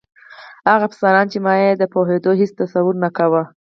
هغه افسران چې ما یې د پوهېدو هېڅ تصور نه کاوه.